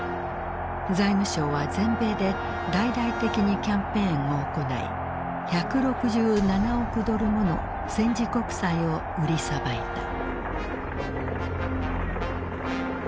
財務省は全米で大々的にキャンペーンを行い１６７億ドルもの戦時国債を売りさばいた。